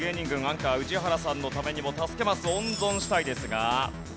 アンカー宇治原さんのためにも助けマス温存したいですが。